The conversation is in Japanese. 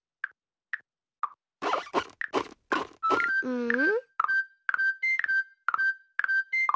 うん？